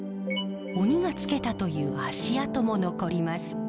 鬼がつけたという足跡も残ります。